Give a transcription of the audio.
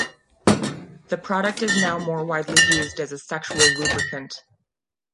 The product is now more widely used as a sexual lubricant.